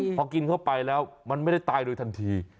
พอกินเข้าไปแล้วมันไม่ได้ตายโดยทันที